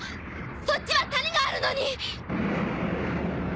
そっちは谷があるのに！